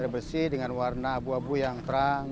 air bersih dengan warna abu abu yang terang